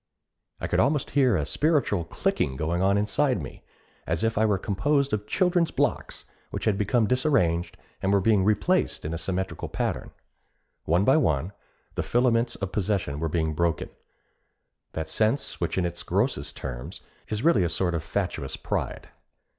I could almost hear a spiritual clicking going on inside me, as if I were composed of children's blocks which had become disarranged and were being replaced in a symmetrical pattern. One by one, the filaments of possession were being broken that sense which in its grossest terms is really a sort of fatuous pride.